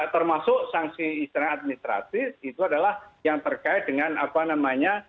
termasuk sanksi istilah administratif itu adalah yang terkait dengan apa namanya